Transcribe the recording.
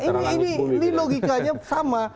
ini logikanya sama